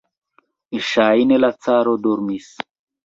Ŝajne la caro dormis.